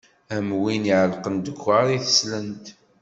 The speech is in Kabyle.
Am win iɛellqen ddekkaṛ i teslent.